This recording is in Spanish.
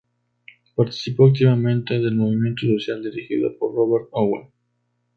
Participó activamente del movimiento social dirigido por Robert Owen.